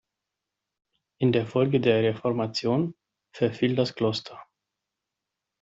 In der Folge der Reformation verfiel das Kloster.